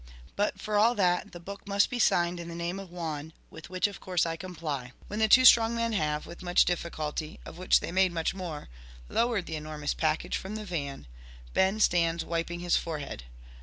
But for all that, the book must be signed in the name of "Waun," with which of course I comply. When the two strong men have, with much difficulty (of which they made much more), lowered the enormous package from the van, Ben stands wiping his forehead.